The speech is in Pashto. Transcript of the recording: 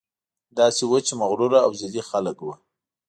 داسې وچ مغروره او ضدي خلک وو.